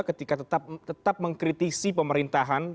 ketika tetap mengkritisi pemerintahan